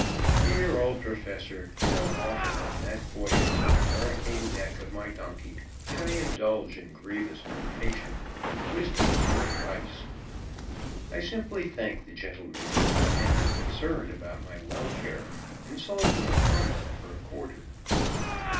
Dear old Professor, how often on that voyage on the hurricane deck of my donkey, did I indulge in grievous meditation on the wisdom of your advice! I simply thanked the gentleman for his tender concern about my welfare, and sold him a chromo for a quarter.